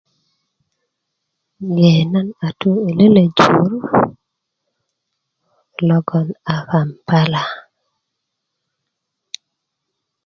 ye nan a tu i lele jur logon a kampala